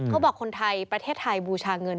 เขาบอกคนไทยประเทศไทยบูชาเงิน